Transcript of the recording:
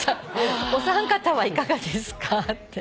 「お三方はいかがですか？」